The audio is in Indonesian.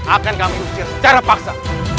akan kami usir secara paksa